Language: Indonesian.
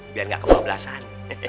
biar ga kemau belasan